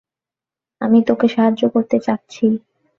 আমি তোকে সাহায্য করতে চাচ্ছি!